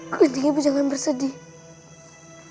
aku tinggi ibu jangan bersedih